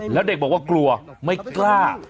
แล้วเด็กบอกว่ากลัวไม่กล้า